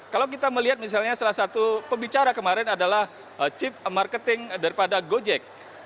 kalau kita melihat misalnya salah satu pembicara kemarin adalah chip marketing daripada gojek